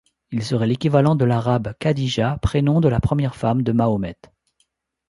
Il serait l'équivalent de l'arabe Khadija, prénom de la première femme de Mahomet.